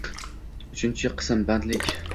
Uchinchi qism. Bandlik